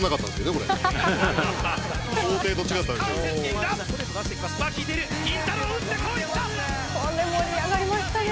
「これ盛り上がりましたね」